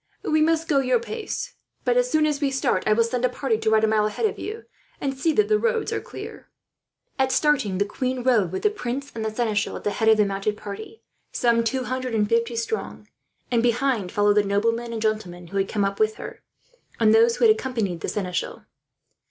We must go your pace, but as soon as we start I will send a party to ride a mile ahead of you, and see that the roads are clear." At starting, the queen rode with the prince and the seneschal at the head of the mounted party, some two hundred and fifty strong; and behind followed the noblemen and gentlemen who had come with her, and those who had accompanied the seneschal.